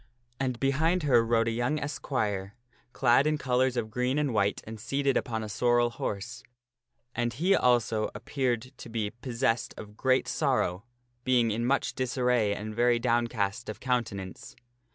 And behind her rode a and an esquire i j i r j u A j j to the forest. young esquire, clad in colors of green and white and seated upon a sorrel horse. And he also appeared to be possessed of great sorrow, being in much disarray and very downcast of countenance.